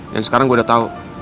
dan sekarang gue udah tau